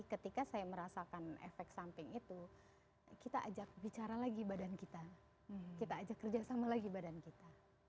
ketika saya merasakan efek samping itu kita ajak bicara lagi badan kita kita ajak kerjasama lagi badan kita